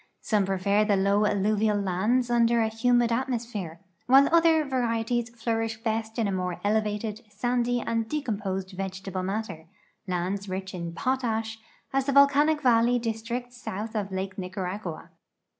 Somejirefer the low alluvial lands under a humid atmosi)here, while other varieties flourish best in more elevated, sandy, and decomjHJsed vegetable matter — lands rich in potash, as the volcanic valley (li.s tricts south of Lake Nicaragua.